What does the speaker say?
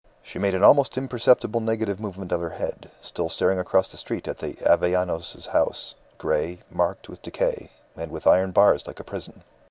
She made an almost imperceptible negative movement of her head, still staring across the street at the Avellanos's house, grey, marked with decay, and with iron bars like a prison.